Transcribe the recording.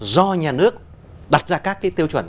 do nhà nước đặt ra các cái tiêu chuẩn